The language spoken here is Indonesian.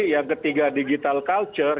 yang ketiga digital culture